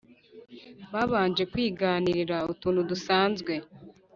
babanje kwiganirira utuntu dusanzwe